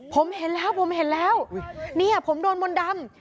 ผมเห็นแล้วผมเห็นแล้วเนี่ยผมโดนมนต์ดำ